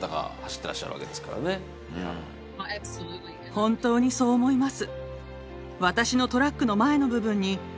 本当にそう思います。